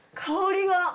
香りが。